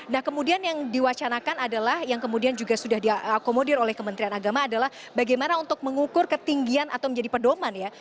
nah kemudian yang diwacanakan adalah yang kemudian juga sudah diakomodir oleh kementerian agama adalah bagaimana untuk mengukur ketinggian atau menjadi pedoman ya